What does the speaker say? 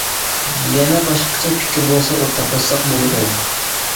يەنە باشقىچە پىكىر بولسا ئورتاقلاشساق بولىدۇ.